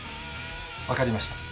わかりました。